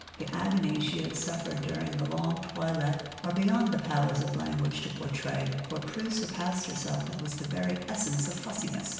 The agonies she suffered during that long toilet are beyond the powers of language to portray, for Prue surpassed herself and was the very essence of fussiness.